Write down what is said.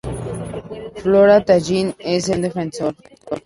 Flora Tallin es el campeón defensor.